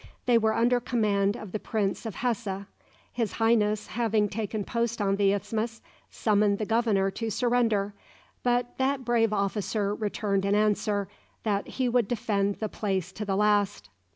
They were under command of the Prince of Hesse. His Highness, having taken post on the isthmus, summoned the governor to surrender, but that brave officer returned an answer, that he would defend the place to the last.